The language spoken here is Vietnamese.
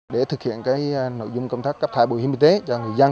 để thực hiện nội dung công tác cấp thải bảo hiểm y tế cho người dân